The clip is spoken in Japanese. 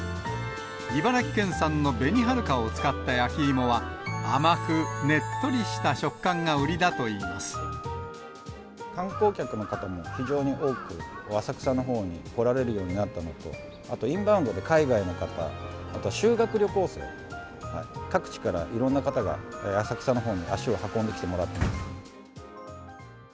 茨城県産の紅はるかを使った焼き芋は、甘くねっとりした食感が売観光客の方も非常に多く、浅草のほうに来られるようになったのと、あと、インバウンドで海外の方、あと修学旅行生、各地からいろんな方が、浅草のほうに足を運んできてもらっています。